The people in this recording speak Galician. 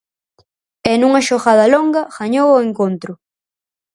E nunha xogada longa gañou o encontro.